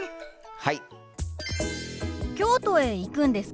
はい。